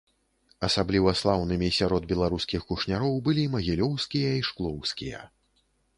Асабліва слаўнымі сярод беларускіх кушняроў былі магілёўскія і шклоўскія.